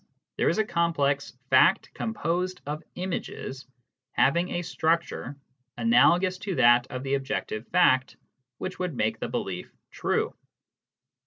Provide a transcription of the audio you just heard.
there is a complex fact composed of images, having a structure analogous to that of the objective fact which would make the belief true.